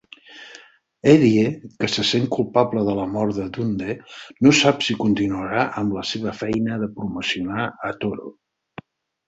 Eddie, que se sent culpable de la mort de Dundee, no sap si continuarà amb la seva feina de promocionar a Toro.